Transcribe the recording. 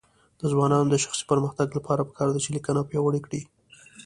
د ځوانانو د شخصي پرمختګ لپاره پکار ده چې لیکنه پیاوړې کړي.